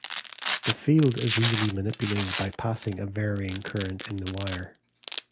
This field is easily manipulated by passing a varying current in the wire.